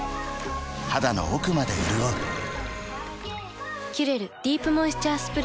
肌の奥まで潤う「キュレルディープモイスチャースプレー」